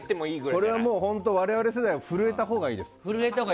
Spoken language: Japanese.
これは本当に我々世代は震えたほうがいいです。